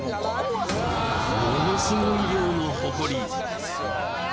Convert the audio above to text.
ものすごい量のホコリ